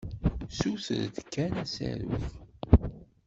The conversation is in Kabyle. Ssuter-d kan asaruf.